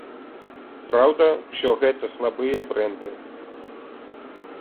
Праўда, усё гэта слабыя брэнды.